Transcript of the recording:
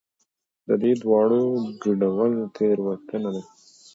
د دې دواړو ګډول تېروتنه ده.